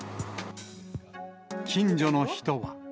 近所の人は。